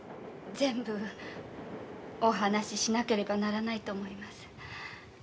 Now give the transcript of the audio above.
全部お話ししなければならないと思います。